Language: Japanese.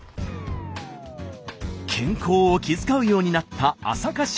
健康を気遣うようになった浅香社員。